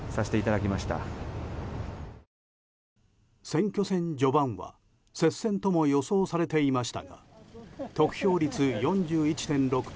選挙戦序盤は接戦とも予想されていましたが得票率４１．６％。